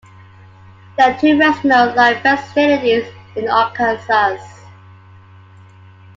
There are two racino-like facilities in Arkansas.